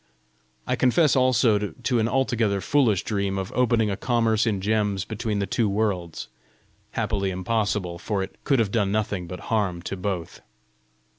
I confess also to an altogether foolish dream of opening a commerce in gems between the two worlds happily impossible, for it could have done nothing but harm to both.